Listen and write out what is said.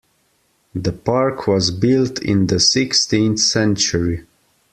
The park was built in the sixteenth century.